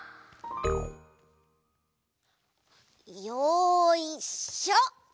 よいしょ！